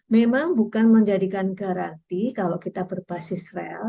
memang bukan menjadikan garanti kalau kita berbasis rel